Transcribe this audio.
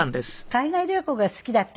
海外旅行が好きだったから。